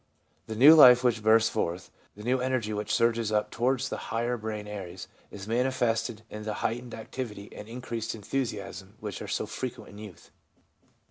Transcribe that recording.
The new life which bursts forth, the new energy which surges up towards the higher brain areas, is manifested in the heightened activity and increased enthusiasm which are so frequent in youth.